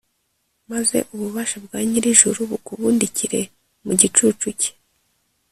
maze ububasha bwa nyir’ijuru bukubundikire mu gicucu cye